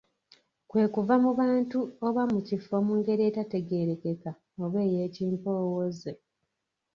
Kwe kuva mu bantu oba mu kifo mu ngeri etategeerekeka oba ey’ekimpoowooze.